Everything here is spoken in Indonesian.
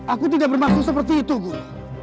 aku tidak bermaksud seperti itu bu